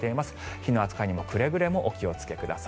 火の扱いにもくれぐれもお気をつけください。